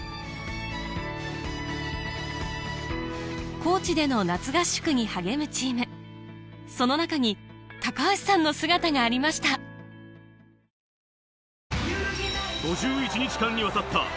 高知での夏合宿に励むチームその中に橋さんの姿がありました明星麺神